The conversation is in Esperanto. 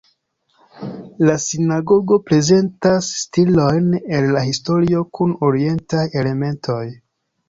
La sinagogo prezentas stilojn el la historio kun orientaj elementoj.